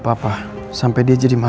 kenapa dia ngomong ibuading aja